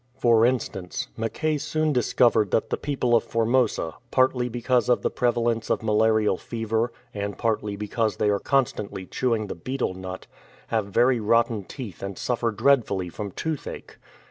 For instance, Mackay soon discovered that the people of Formosa, partly because of the prevalence of malarial fever, and partly because they are constantly chewing the betel nut, have very rotten teeth and suffer dreadfully from toothache.